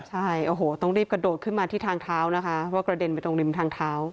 ใช่โอ้โหต้องรีบกระโดดขึ้นมาที่ทางเท้านะคะว่ากระเด็นไปตรงริมทางเท้า